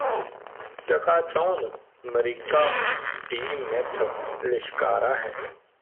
ਚਕਾਚੌਂਧ America ਦੀ ਮਿੱਥ ਲਿਸ਼ਕਾਰਾ ਹੈ